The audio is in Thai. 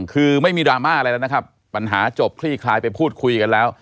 คือไม่มีดราม่าอะไรแล้วนะครับปัญหาจบคลี่คลายไปพูดคุยกันแล้ว